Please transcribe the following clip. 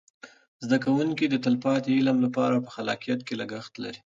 زده کوونکي د تلپاتې علم لپاره په خلاقیت کې لګښته لري.